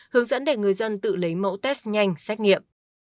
hướng dẫn để người dân tự lấy mẫu test nhanh xét nghiệm